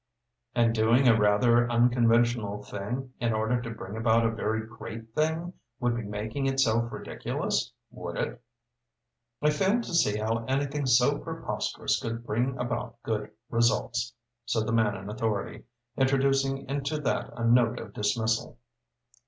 "And doing a rather unconventional thing, in order to bring about a very great thing, would be making itself ridiculous, would it?" "I fail to see how anything so preposterous could bring about good results," said the man in authority, introducing into that a note of dismissal.